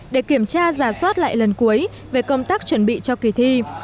để kiểm tra giả soát lại lần cuối về công tác chuẩn bị cho kỳ thi